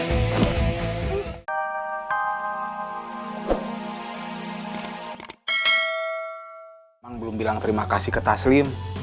memang belum bilang terima kasih ke taslim